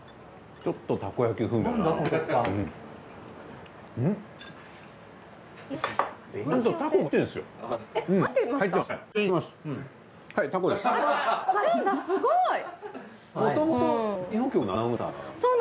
ちょっとたこ焼き風味だよな。